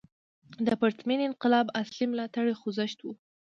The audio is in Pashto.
د پرتمین انقلاب اصلي ملاتړی خوځښت و.